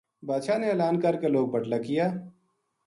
باد شاہ نے اعلان کر کے لوک بٹلا کیا